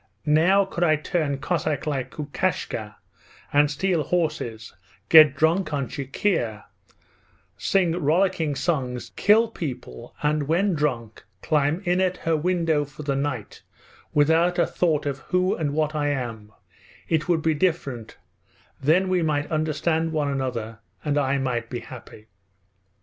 Now could I turn Cossack like Lukashka, and steal horses, get drunk on chikhir, sing rollicking songs, kill people, and when drunk climb in at her window for the night without a thought of who and what I am, it would be different: then we might understand one another and I might be happy.